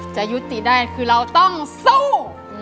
จะยุติได้คือเราต้องสู้